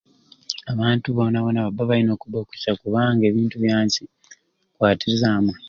Abantu bona bona baba bayina okuba okusai kubanga ebintu byansi kukwatiza amwei